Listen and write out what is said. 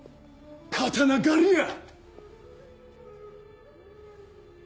刀狩りや！